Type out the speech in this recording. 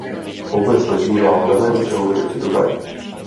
Obec leží na levém břehu řeky Dunaj.